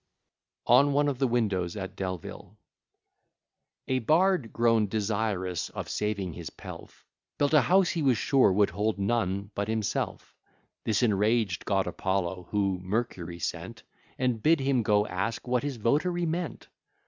See "Prose Works," xii, p. 79. W. E. B.] ON ONE OF THE WINDOWS AT DELVILLE A bard, grown desirous of saving his pelf, Built a house he was sure would hold none but himself. This enraged god Apollo, who Mercury sent, And bid him go ask what his votary meant?